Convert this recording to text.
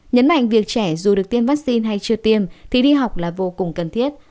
nhấn mạnh việc trẻ dù được tiêm vaccine hay chưa tiêm thì đi học là vô cùng cần thiết